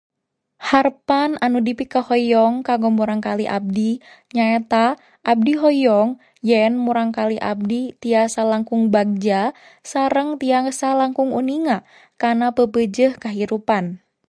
Harepan anu dipikahoyong kanggo murangkalih abdi nyaeta abdi hoyong yen murangkalih abdi tiasa langkung bagja sareng tiasa langkung uninga kana peupeujeuh kahirupan.